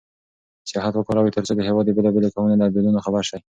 سیاحت وکاروئ ترڅو د هېواد د بېلابېلو قومونو له دودونو خبر شئ.